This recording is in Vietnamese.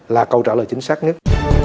là câu trả lời chính xác nhất